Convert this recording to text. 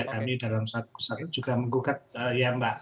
kami dalam saat saat itu juga menggugat ya mbak